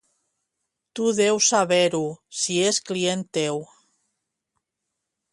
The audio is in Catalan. Tu deus saber-ho, si és client teu.